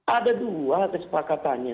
ada dua kesepakatannya